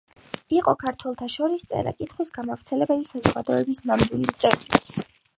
იყო ქართველთა შორის წერა-კითხვის გამავრცელებელი საზოგადოების ნამდვილი წევრი.